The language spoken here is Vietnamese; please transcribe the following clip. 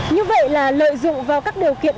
như vậy là lợi dụng vào các điều kiện